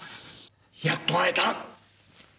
やっと会えた！